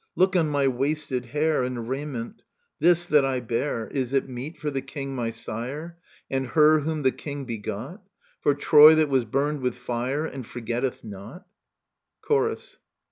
Look on my wasted hair And raiment. ... This that I bear, Digitized by VjOOQIC 12 EURIPIDES Is it meet for the King my sire, And her whom the King begot ? For Troy, that was burned with fire And forgetteth not i Chorus.